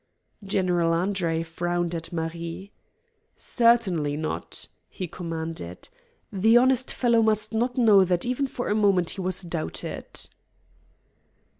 General Andre frowned at Marie. "Certainly not!" he commanded. "The honest fellow must not know that even for a moment he was doubted."